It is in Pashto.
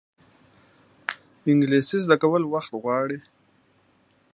انګلیسي زده کول وخت غواړي